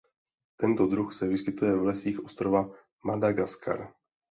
Tento druh se vyskytuje v lesích ostrova Madagaskar.